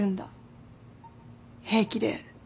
平気で。